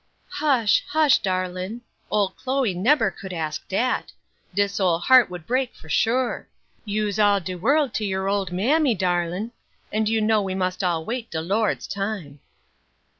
"Hush, hush, darlin'; old Chloe nebber could ask dat; dis ole heart would break for sure. Yous all de world to your old mammy, darlin'; and you know we must all wait de Lord's time."